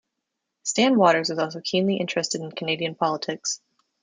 Stan Waters was also keenly interested in Canadian politics.